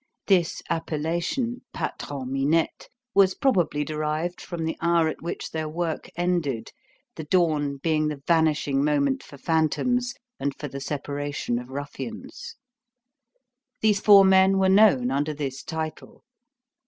This appellation, Patron Minette, was probably derived from the hour at which their work ended, the dawn being the vanishing moment for phantoms and for the separation of ruffians. These four men were known under this title.